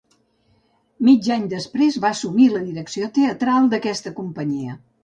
Mig any després va assumir la direcció teatral d'aquesta companyia.